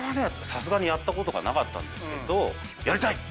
さすがにやったことがなかったんですけど。